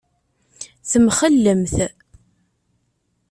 Temxellemt.